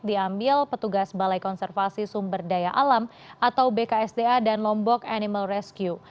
diambil petugas balai konservasi sumber daya alam atau bksda dan lombok animal rescue